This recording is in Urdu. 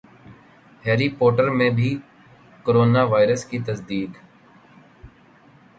ہیری پوٹر میں بھی کورونا وائرس کی تصدیق